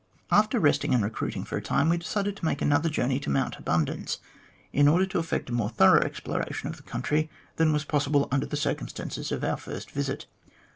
"After resting and recruiting for a time, we decided to make another journey to Mount Abundance in order to effect a more thorough exploration of the country than was possible under the circumstances of our first visit.